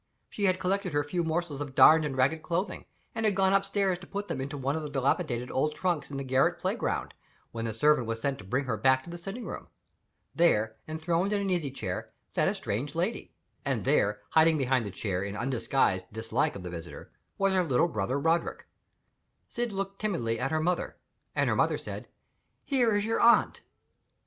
She had collected her few morsels of darned and ragged clothing, and had gone upstairs to put them into one of the dilapidated old trunks in the garret play ground, when the servant was sent to bring her back to the sitting room. There, enthroned in an easy chair, sat a strange lady; and there, hiding behind the chair in undisguised dislike of the visitor, was her little brother Roderick. Syd looked timidly at her mother; and her mother said: "Here is your aunt."